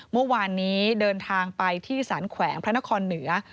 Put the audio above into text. เมื่อวานนี้เดินทางไปที่สารแขวงพระนครเหนือ